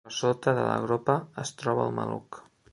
Per sota de la gropa es troba el maluc.